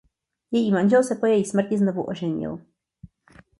Její manžel se po její smrti znovu oženil.